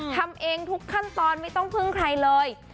ทำเองทุกขั้นตอนไม่ต้องพึ่งใครเลย